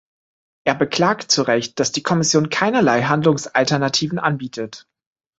Er beklagt zu Recht, dass die Kommission keinerlei Handlungsalternativen anbietet.